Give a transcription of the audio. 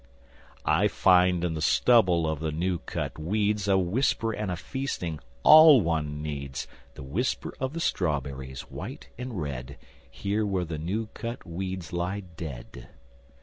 I find in the stubble of the new cut weeds A whisper and a feasting, all one needs: The whisper of the strawberries, white and red Here where the new cut weeds lie dead.